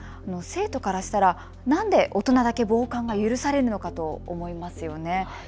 生徒からしたら何で大人だけ防寒が許されるのかと思いますよね。